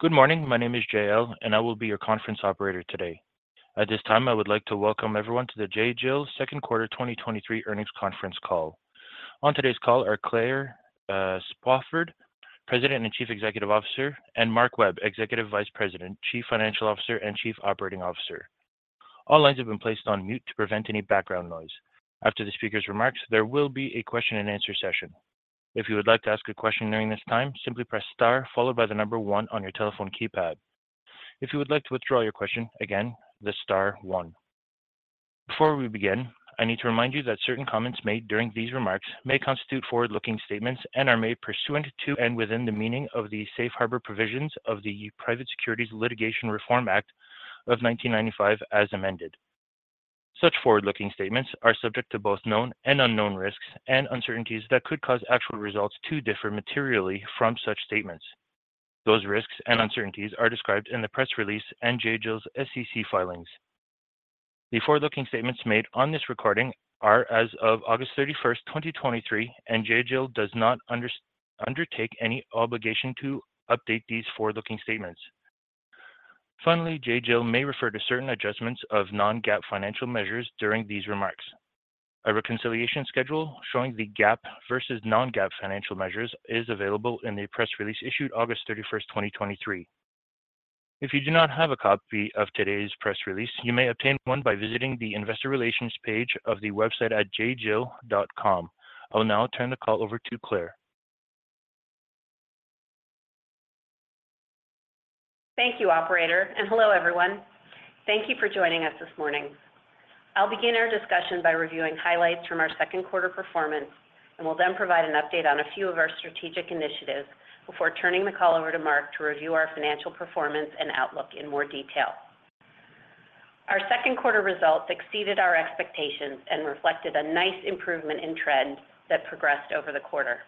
Good morning, my name is JL, and I will be your conference operator today. At this time, I would like to welcome everyone to the J.Jill Second Quarter 2023 Earnings Conference Call. On today's call are Claire Spofford, President and Chief Executive Officer, and Mark Webb, Executive Vice President, Chief Financial Officer, and Chief Operating Officer. All lines have been placed on mute to prevent any background noise. After the speaker's remarks, there will be a question and answer session. If you would like to ask a question during this time, simply press star followed by the number one on your telephone keypad. If you would like to withdraw your question, again, the star one. Before we begin, I need to remind you that certain comments made during these remarks may constitute forward-looking statements and are made pursuant to and within the meaning of the Safe Harbor Provisions of the Private Securities Litigation Reform Act of 1995, as amended. Such forward-looking statements are subject to both known and unknown risks and uncertainties that could cause actual results to differ materially from such statements. Those risks and uncertainties are described in the press release and J.Jill's SEC filings. The forward-looking statements made on this recording are as of August 31, 2023, and J.Jill does not undertake any obligation to update these forward-looking statements. Finally, J.Jill may refer to certain adjustments of non-GAAP financial measures during these remarks. A reconciliation schedule showing the GAAP versus non-GAAP financial measures is available in the press release issued August 31, 2023. If you do not have a copy of today's press release, you may obtain one by visiting the investor relations page of the website at jjill.com. I'll now turn the call over to Claire. Thank you, operator, and hello, everyone. Thank you for joining us this morning. I'll begin our discussion by reviewing highlights from our second quarter performance, and will then provide an update on a few of our strategic initiatives before turning the call over to Mark to review our financial performance and outlook in more detail. Our second quarter results exceeded our expectations and reflected a nice improvement in trend that progressed over the quarter.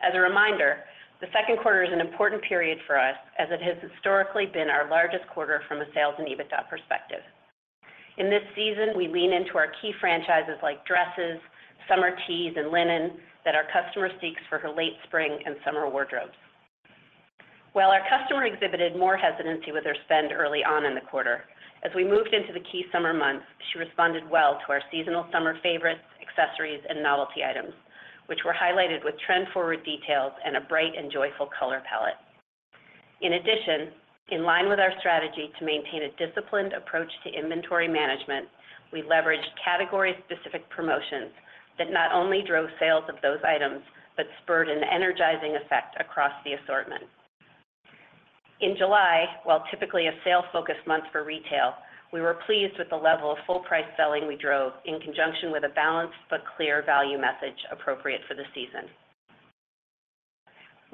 As a reminder, the second quarter is an important period for us as it has historically been our largest quarter from a sales and EBITDA perspective. In this season, we lean into our key franchises like dresses, summer tees, and linen that our customer seeks for her late spring and summer wardrobes. While our customer exhibited more hesitancy with her spend early on in the quarter, as we moved into the key summer months, she responded well to our seasonal summer favorites, accessories, and novelty items, which were highlighted with trend-forward details and a bright and joyful color palette. In addition, in line with our strategy to maintain a disciplined approach to inventory management, we leveraged category-specific promotions that not only drove sales of those items, but spurred an energizing effect across the assortment. In July, while typically a sales-focused month for retail, we were pleased with the level of full price selling we drove in conjunction with a balanced but clear value message appropriate for the season.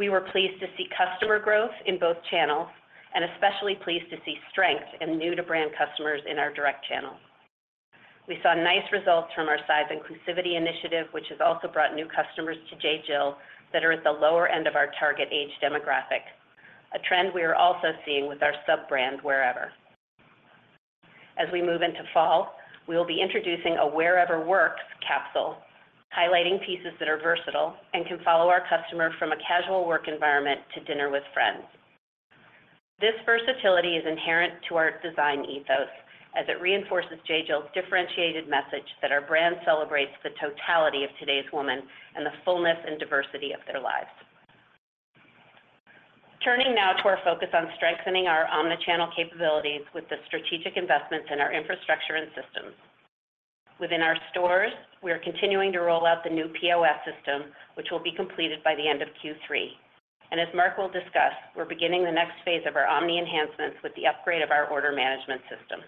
We were pleased to see customer growth in both channels and especially pleased to see strength in new-to-brand customers in our direct channel. We saw nice results from our size inclusivity initiative, which has also brought new customers to J.Jill that are at the lower end of our target age demographic, a trend we are also seeing with our sub-brand, Wearever. As we move into fall, we will be introducing a Wearever Works capsule, highlighting pieces that are versatile and can follow our customer from a casual work environment to dinner with friends. This versatility is inherent to our design ethos as it reinforces J.Jill's differentiated message that our brand celebrates the totality of today's woman and the fullness and diversity of their lives. Turning now to our focus on strengthening our omni-channel capabilities with the strategic investments in our infrastructure and systems. Within our stores, we are continuing to roll out the new POS system, which will be completed by the end of Q3. As Mark will discuss, we're beginning the next phase of our omni enhancements with the upgrade of our order management system.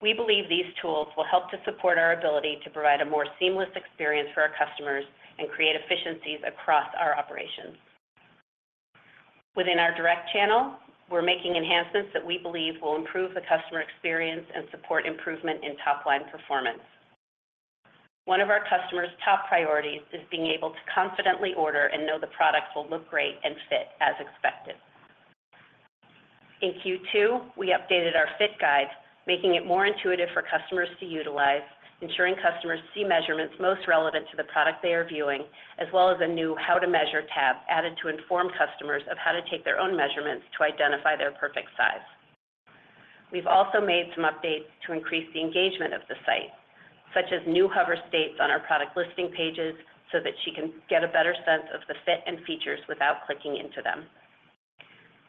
We believe these tools will help to support our ability to provide a more seamless experience for our customers and create efficiencies across our operations. Within our direct channel, we're making enhancements that we believe will improve the customer experience and support improvement in top-line performance. One of our customers' top priorities is being able to confidently order and know the product will look great and fit as expected. In Q2, we updated our Fit Guide, making it more intuitive for customers to utilize, ensuring customers see measurements most relevant to the product they are viewing, as well as a new How to Measure tab added to inform customers of how to take their own measurements to identify their perfect size. We've also made some updates to increase the engagement of the site, such as new hover states on our product listing pages, so that she can get a better sense of the fit and features without clicking into them.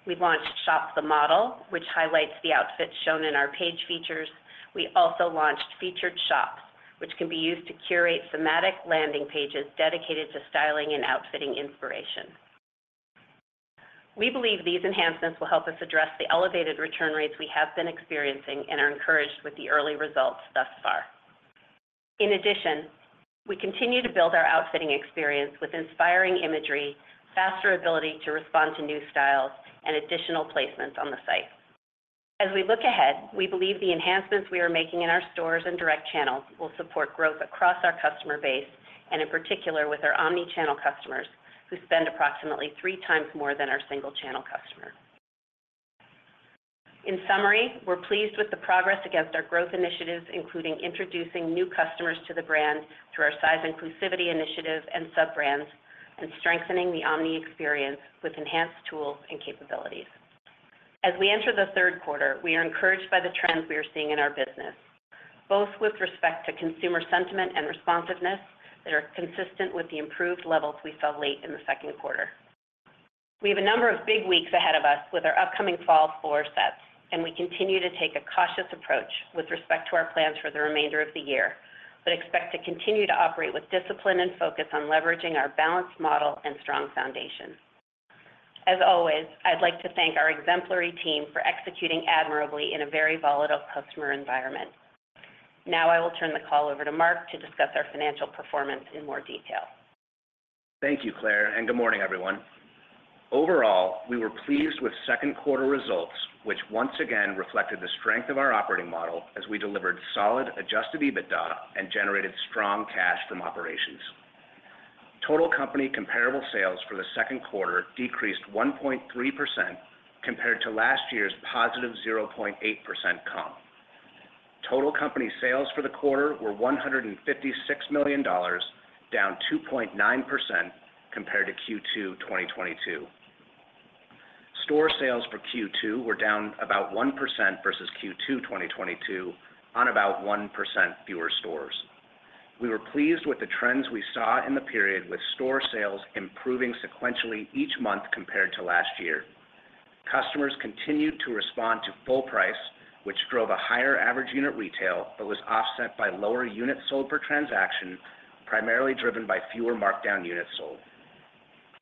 We've launched Shop the Model, which highlights the outfits shown in our page features. We also launched Featured Shops, which can be used to curate thematic landing pages dedicated to styling and outfitting inspiration. We believe these enhancements will help us address the elevated return rates we have been experiencing and are encouraged with the early results thus far. In addition, we continue to build our outfitting experience with inspiring imagery, faster ability to respond to new styles, and additional placements on the site. As we look ahead, we believe the enhancements we are making in our stores and direct channels will support growth across our customer base, and in particular with our omni-channel customers, who spend approximately three times more than our single channel customers. In summary, we're pleased with the progress against our growth initiatives, including introducing new customers to the brand through our size inclusivity initiative and sub-brands, and strengthening the omni experience with enhanced tools and capabilities. As we enter the third quarter, we are encouraged by the trends we are seeing in our business, both with respect to consumer sentiment and responsiveness that are consistent with the improved levels we saw late in the second quarter. We have a number of big weeks ahead of us with our upcoming fall floor sets, and we continue to take a cautious approach with respect to our plans for the remainder of the year, but expect to continue to operate with discipline and focus on leveraging our balanced model and strong foundation. As always, I'd like to thank our exemplary team for executing admirably in a very volatile customer environment. Now, I will turn the call over to Mark to discuss our financial performance in more detail. Thank you, Claire, and good morning, everyone. Overall, we were pleased with second quarter results, which once again reflected the strength of our operating model as we delivered solid Adjusted EBITDA and generated strong cash from operations. Total company comparable sales for the second quarter decreased 1.3% compared to last year's positive 0.8% comp. Total company sales for the quarter were $156 million, down 2.9% compared to Q2 2022. Store sales for Q2 were down about 1% versus Q2 2022 on about 1% fewer stores. We were pleased with the trends we saw in the period, with store sales improving sequentially each month compared to last year. Customers continued to respond to full price, which drove a higher average unit retail, but was offset by lower units sold per transaction, primarily driven by fewer markdown units sold.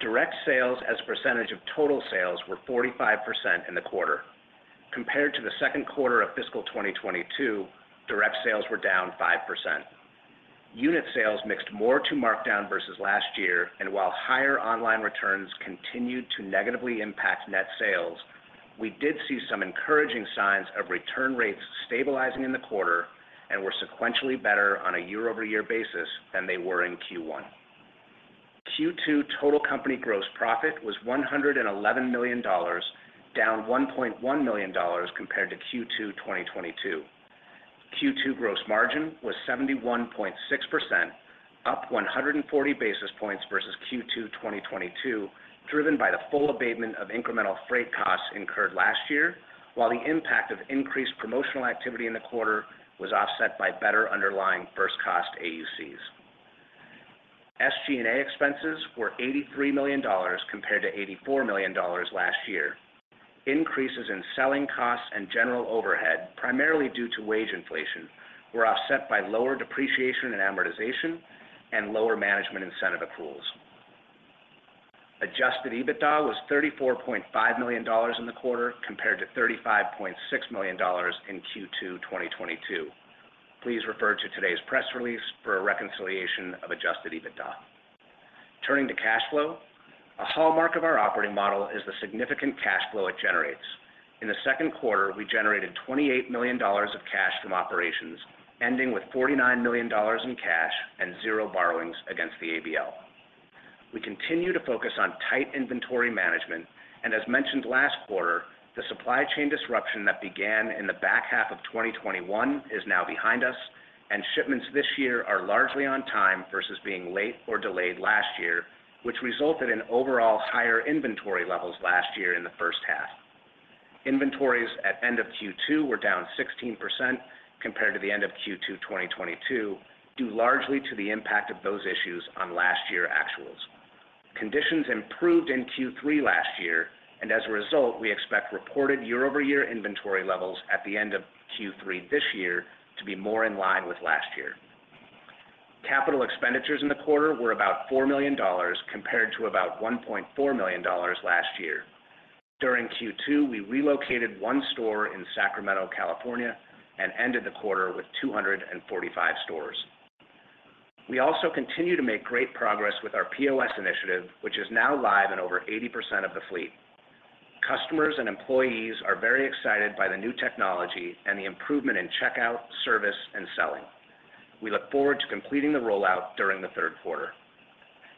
Direct sales as a percentage of total sales were 45% in the quarter. Compared to the second quarter of fiscal 2022, direct sales were down 5%. Unit sales mixed more to markdown versus last year, and while higher online returns continued to negatively impact net sales, we did see some encouraging signs of return rates stabilizing in the quarter and were sequentially better on a year-over-year basis than they were in Q1. Q2 total company gross profit was $111 million, down $1.1 million compared to Q2 2022. Q2 gross margin was 71.6%, up 140 basis points versus Q2 2022, driven by the full abatement of incremental freight costs incurred last year, while the impact of increased promotional activity in the quarter was offset by better underlying first cost AUCs. SG&A expenses were $83 million compared to $84 million last year. Increases in selling costs and general overhead, primarily due to wage inflation, were offset by lower depreciation and amortization and lower management incentive pools. Adjusted EBITDA was $34.5 million in the quarter, compared to $35.6 million in Q2 2022. Please refer to today's press release for a reconciliation of adjusted EBITDA. Turning to cash flow, a hallmark of our operating model is the significant cash flow it generates. In the second quarter, we generated $28 million of cash from operations, ending with $49 million in cash and zero borrowings against the ABL. We continue to focus on tight inventory management, and as mentioned last quarter, the supply chain disruption that began in the back half of 2021 is now behind us, and shipments this year are largely on time versus being late or delayed last year, which resulted in overall higher inventory levels last year in the first half. Inventories at end of Q2 were down 16% compared to the end of Q2 2022, due largely to the impact of those issues on last year actuals. Conditions improved in Q3 last year, and as a result, we expect reported year-over-year inventory levels at the end of Q3 this year to be more in line with last year. Capital expenditures in the quarter were about $4 million, compared to about $1.4 million last year. During Q2, we relocated one store in Sacramento, California, and ended the quarter with 245 stores. We also continue to make great progress with our POS initiative, which is now live in over 80% of the fleet. Customers and employees are very excited by the new technology and the improvement in checkout, service, and selling. We look forward to completing the rollout during the third quarter.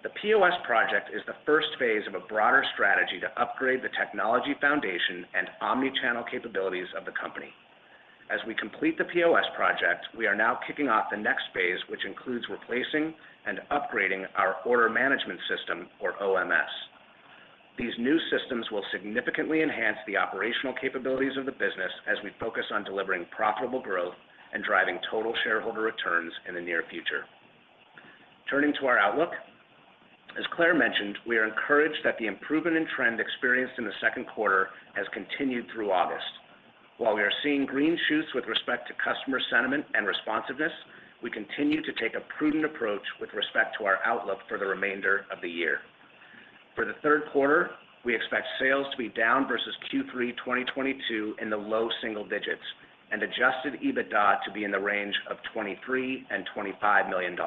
The POS project is the first phase of a broader strategy to upgrade the technology foundation and omni-channel capabilities of the company. As we complete the POS project, we are now kicking off the next phase, which includes replacing and upgrading our order management system or OMS. These new systems will significantly enhance the operational capabilities of the business as we focus on delivering profitable growth and driving total shareholder returns in the near future. Turning to our outlook, as Claire mentioned, we are encouraged that the improvement in trend experienced in the second quarter has continued through August. While we are seeing green shoots with respect to customer sentiment and responsiveness, we continue to take a prudent approach with respect to our outlook for the remainder of the year. For the third quarter, we expect sales to be down versus Q3 2022 in the low single digits and Adjusted EBITDA to be in the range of $23 million-$25 million.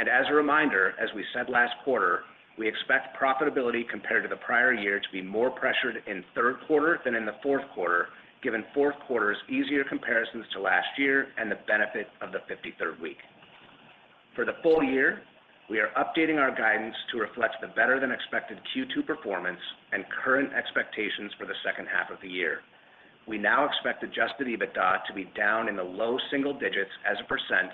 As a reminder, as we said last quarter, we expect profitability compared to the prior year to be more pressured in third quarter than in the fourth quarter, given fourth quarter's easier comparisons to last year and the benefit of the 53rd week. For the full year, we are updating our guidance to reflect the better than expected Q2 performance and current expectations for the second half of the year. We now expect Adjusted EBITDA to be down in the low single digits as a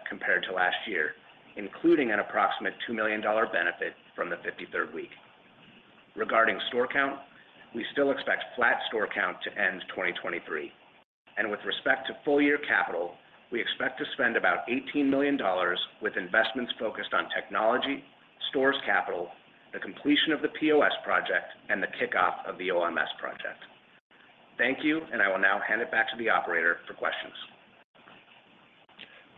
% compared to last year, including an approximate $2 million benefit from the 53rd week. Regarding store count, we still expect flat store count to end 2023, and with respect to full year capital, we expect to spend about $18 million, with investments focused on technology, stores capital, the completion of the POS project, and the kickoff of the OMS project. Thank you, and I will now hand it back to the operator for questions.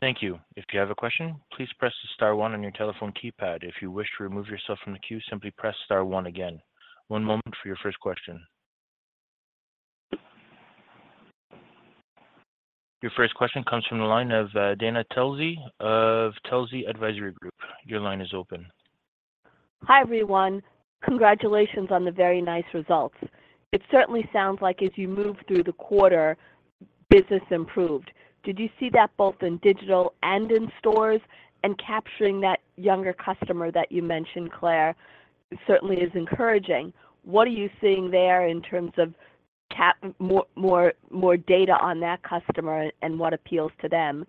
Thank you. If you have a question, please press the star one on your telephone keypad. If you wish to remove yourself from the queue, simply press star one again. One moment for your first question. Your first question comes from the line of, Dana Telsey of Telsey Advisory Group. Your line is open. Hi, everyone. Congratulations on the very nice results. It certainly sounds like as you moved through the quarter, business improved. Did you see that both in digital and in stores? And capturing that younger customer that you mentioned, Claire, certainly is encouraging. What are you seeing there in terms of more data on that customer and what appeals to them?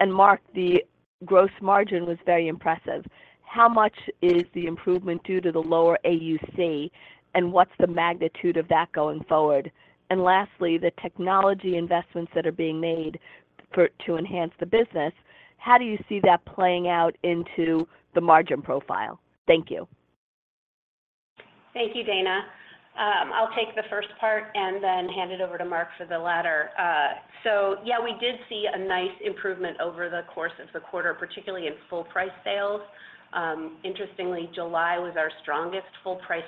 And Mark, the gross margin was very impressive. How much is the improvement due to the lower AUC, and what's the magnitude of that going forward? And lastly, the technology investments that are being made to enhance the business, how do you see that playing out into the margin profile? Thank you. Thank you, Dana. I'll take the first part and then hand it over to Mark for the latter. So yeah, we did see a nice improvement over the course of the quarter, particularly in full price sales. Interestingly, July was our strongest full price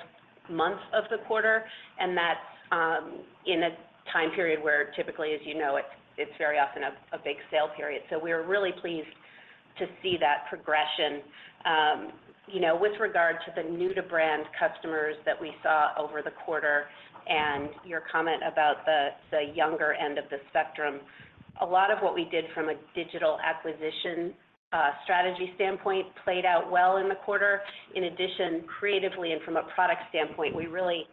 month of the quarter, and that's in a time period where typically, as you know, it's very often a big sale period. So we're really pleased to see that progression. You know, with regard to the new to brand customers that we saw over the quarter and your comment about the younger end of the spectrum, a lot of what we did from a digital acquisition strategy standpoint played out well in the quarter. In addition, creatively and from a product standpoint, we really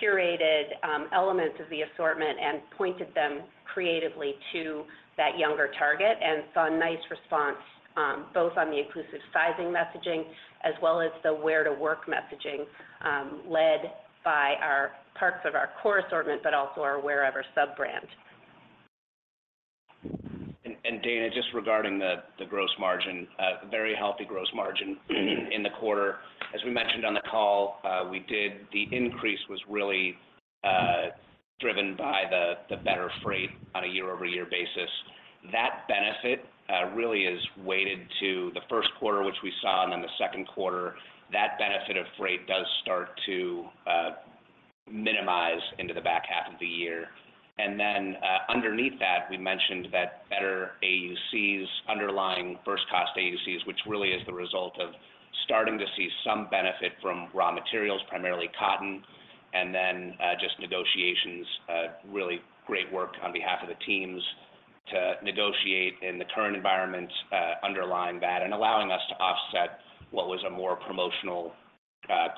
curated elements of the assortment and pointed them creatively to that younger target and saw a nice response, both on the inclusive sizing messaging as well as the wear to work messaging, led by our parts of our core assortment, but also our Wearever sub-brand. Dana, just regarding the gross margin, a very healthy gross margin in the quarter. As we mentioned on the call, the increase was really driven by the better freight on a year-over-year basis. That benefit really is weighted to the first quarter, which we saw, and in the second quarter, that benefit of freight does start to minimize into the back half of the year. Then, underneath that, we mentioned that better AUCs, underlying first cost AUCs, which really is the result of starting to see some benefit from raw materials, primarily cotton, and then just negotiations, really great work on behalf of the teams to negotiate in the current environment, underlying that and allowing us to offset what was a more promotional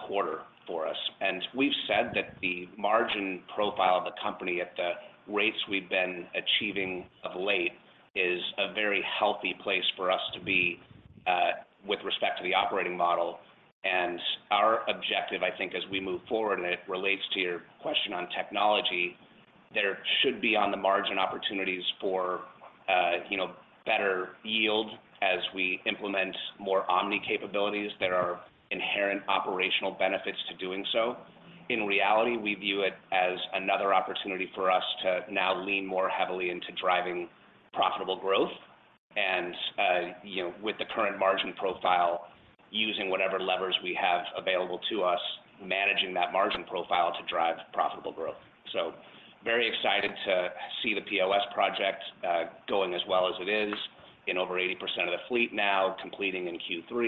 quarter for us. And we've said that the margin profile of the company at the rates we've been achieving of late is a very healthy place for us to be, with respect to the operating model. And our objective, I think, as we move forward, and it relates to your question on technology, there should be on the margin opportunities for, you know, better yield as we implement more omni capabilities. There are inherent operational benefits to doing so. In reality, we view it as another opportunity for us to now lean more heavily into driving profitable growth and, you know, with the current margin profile, using whatever levers we have available to us, managing that margin profile to drive profitable growth. So very excited to see the POS project going as well as it is in over 80% of the fleet now, completing in Q3,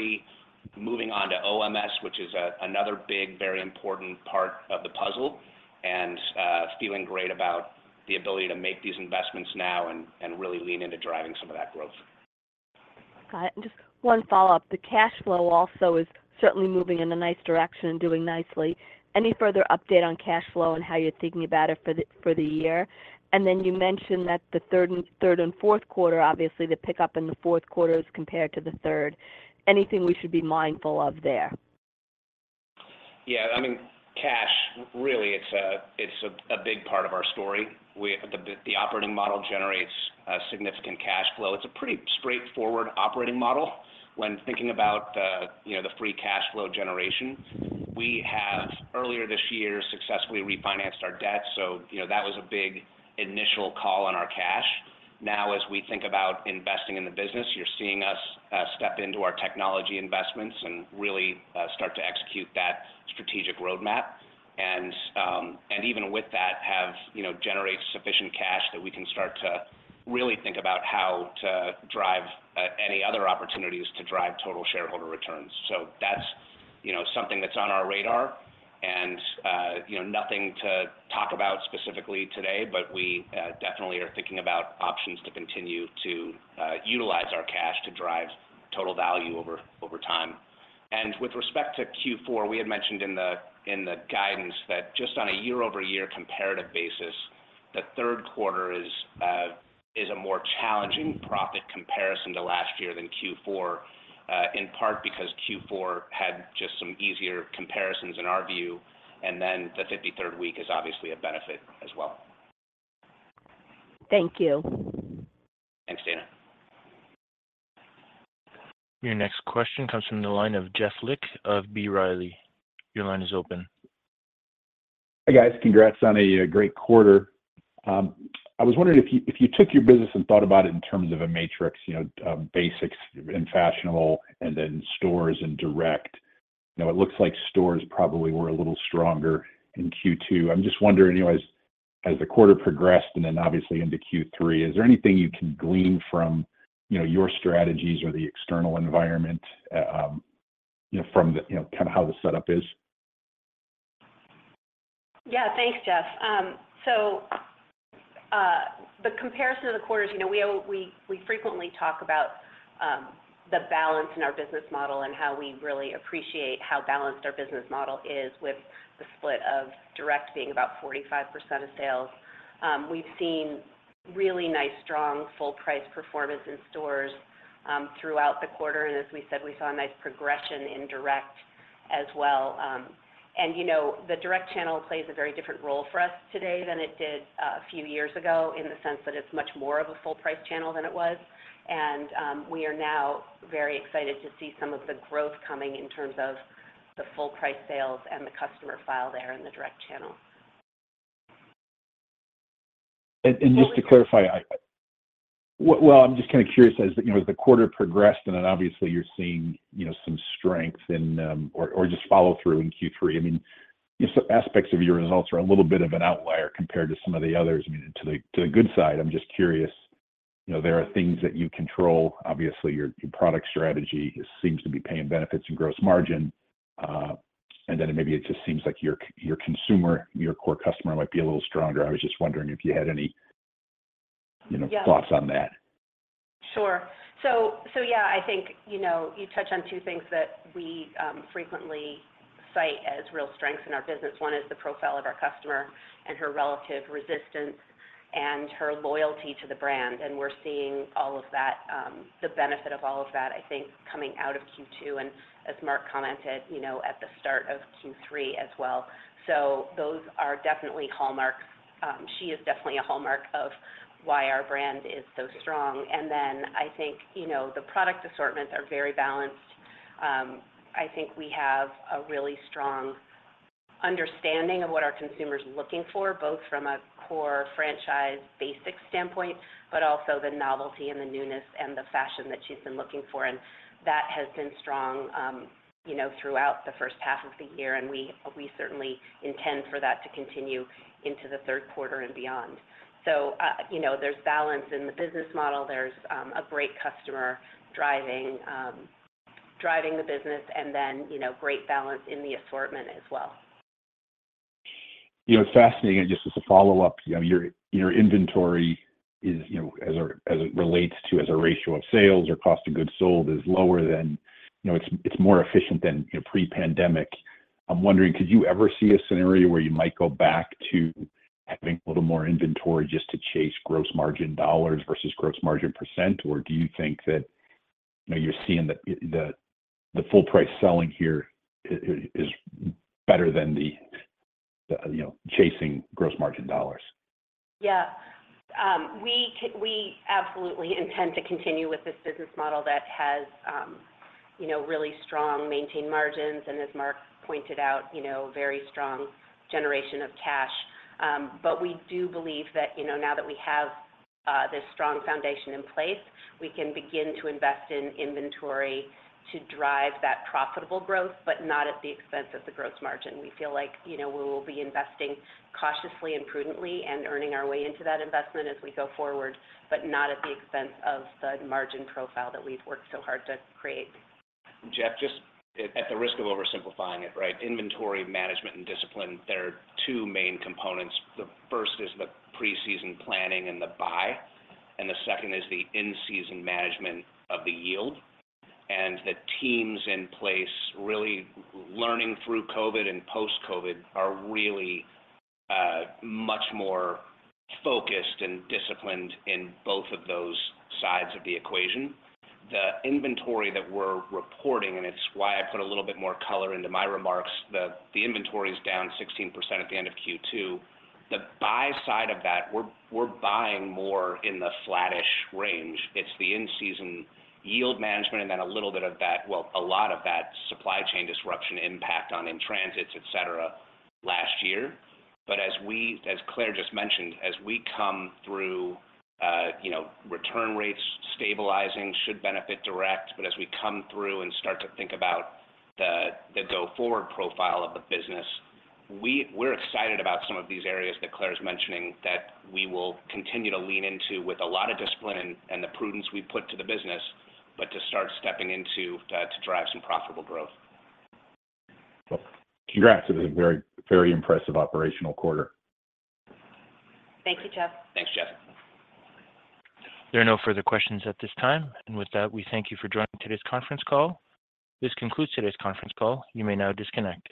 moving on to OMS, which is another big, very important part of the puzzle, and feeling great about the ability to make these investments now and really lean into driving some of that growth. Got it. And just one follow-up. The cash flow also is certainly moving in a nice direction and doing nicely. Any further update on cash flow and how you're thinking about it for the, for the year? And then you mentioned that the third and, third and fourth quarter, obviously, the pickup in the fourth quarter is compared to the third. Anything we should be mindful of there? Yeah, I mean, cash, really, it's a big part of our story. We, the operating model generates a significant cash flow. It's a pretty straightforward operating model when thinking about, you know, the free cash flow generation. We have, earlier this year, successfully refinanced our debt, so you know, that was a big initial call on our cash. Now, as we think about investing in the business, you're seeing us step into our technology investments and really start to execute that strategic roadmap. And even with that, have, you know, generate sufficient cash that we can start to really think about how to drive any other opportunities to drive total share returns. So that's, you know, something that's on our radar, and, you know, nothing to talk about specifically today, but we definitely are thinking about options to continue to utilize our cash to drive total value over, over time. And with respect to Q4, we had mentioned in the, in the guidance that just on a year-over-year comparative basis, the third quarter is, is a more challenging profit comparison to last year than Q4. In part because Q4 had just some easier comparisons in our view, and then the 53rd week is obviously a benefit as well. Thank you. Thanks, Dana. Your next question comes from the line of Jeff Lick of B. Riley. Your line is open. Hi, guys. Congrats on a great quarter. I was wondering if you, if you took your business and thought about it in terms of a matrix, you know, basics and fashionable, and then stores and direct, you know, it looks like stores probably were a little stronger in Q2. I'm just wondering, anyways, as the quarter progressed, and then obviously into Q3, is there anything you can glean from, you know, your strategies or the external environment, you know, from the, you know, kinda how the setup is? Yeah. Thanks, Jeff. So, the comparison of the quarters, you know, we frequently talk about the balance in our business model and how we really appreciate how balanced our business model is with the split of direct being about 45% of sales. We've seen really nice, strong, full price performance in stores throughout the quarter, and as we said, we saw a nice progression in direct as well. And, you know, the direct channel plays a very different role for us today than it did a few years ago, in the sense that it's much more of a full price channel than it was. And, we are now very excited to see some of the growth coming in terms of the full price sales and the customer file there in the direct channel. Well, I'm just kinda curious, as you know, as the quarter progressed, and then obviously you're seeing, you know, some strength in, or just follow through in Q3. I mean, some aspects of your results are a little bit of an outlier compared to some of the others. I mean, to the good side, I'm just curious, you know, there are things that you control. Obviously, your product strategy seems to be paying benefits and gross margin, and then maybe it just seems like your consumer, your core customer might be a little stronger. I was just wondering if you had any, you know- Yeah... thoughts on that. Sure. So, so yeah, I think, you know, you touch on two things that we, frequently cite as real strengths in our business. One is the profile of our customer and her relative resistance and her loyalty to the brand, and we're seeing all of that, the benefit of all of that, I think, coming out of Q2, and as Mark commented, you know, at the start of Q3 as well. So those are definitely hallmarks. She is definitely a hallmark of why our brand is so strong. And then I think, you know, the product assortments are very balanced. I think we have a really strong understanding of what our consumer is looking for, both from a core franchise basic standpoint, but also the novelty and the newness and the fashion that she's been looking for, and that has been strong, you know, throughout the first half of the year, and we certainly intend for that to continue into the third quarter and beyond. So, you know, there's balance in the business model, there's a great customer driving the business, and then, you know, great balance in the assortment as well. You know, it's fascinating, and just as a follow-up, you know, your inventory is, you know, as it relates to as a ratio of sales or cost of goods sold, is lower than... You know, it's more efficient than, you know, pre-pandemic. I'm wondering, could you ever see a scenario where you might go back to having a little more inventory just to chase gross margin dollars versus gross margin percent? Or do you think that, you know, you're seeing the full price selling here is better than the, you know, chasing gross margin dollars? Yeah. We absolutely intend to continue with this business model that has, you know, really strong maintained margins, and as Mark pointed out, you know, very strong generation of cash. But we do believe that, you know, now that we have this strong foundation in place, we can begin to invest in inventory to drive that profitable growth, but not at the expense of the gross margin. We feel like, you know, we will be investing cautiously and prudently and earning our way into that investment as we go forward, but not at the expense of the margin profile that we've worked so hard to create. Jeff, just at the risk of oversimplifying it, right? Inventory management and discipline, there are two main components. The first is the preseason planning and the buy, and the second is the in-season management of the yield. And the teams in place, really learning through COVID and post-COVID, are really much more focused and disciplined in both of those sides of the equation. The inventory that we're reporting, and it's why I put a little bit more color into my remarks, the inventory is down 16% at the end of Q2. The buy side of that, we're buying more in the flattish range. It's the in-season yield management, and then a little bit of that. Well, a lot of that supply chain disruption impact on in-transits, et cetera, last year. But as we as Claire just mentioned, as we come through, you know, return rates stabilizing should benefit direct. But as we come through and start to think about the go-forward profile of the business, we're excited about some of these areas that Claire is mentioning, that we will continue to lean into with a lot of discipline and the prudence we put to the business, but to start stepping into to drive some profitable growth. Cool. Congrats, it was a very, very impressive operational quarter. Thank you, Jeff. Thanks, Jeff. There are no further questions at this time. With that, we thank you for joining today's Conference Call. This concludes today's Conference Call. You may now disconnect.